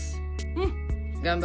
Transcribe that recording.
うん。